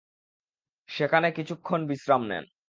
সেখানে কিছুক্ষণ বিশ্রাম নেন।